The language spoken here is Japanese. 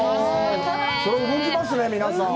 それは動きますね、皆さん。